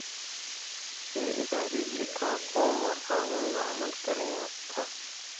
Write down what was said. ݜے اِداری چے کاں قومواں قانُون لا عمل کَرئین٘یاں تھہ،